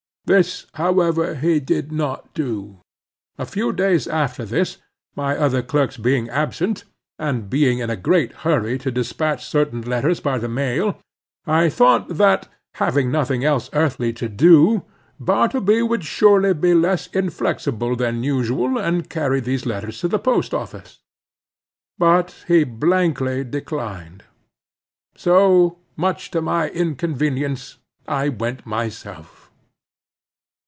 This, however, he did not do. A few days after this, my other clerks being absent, and being in a great hurry to dispatch certain letters by the mail, I thought that, having nothing else earthly to do, Bartleby would surely be less inflexible than usual, and carry these letters to the post office. But he blankly declined. So, much to my inconvenience, I went myself.